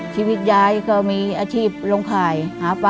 ชีวิตยายก็มีอาชีพลงข่ายหาปลา